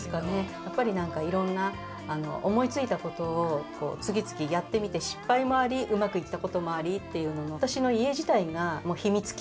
やっぱり何かいろんな思いついたことをこう次々やってみて失敗もありうまくいったこともありっていう私の家自体がもう秘密基地。